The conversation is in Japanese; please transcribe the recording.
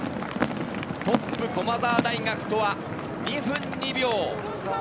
トップ駒澤大学とは２分２秒。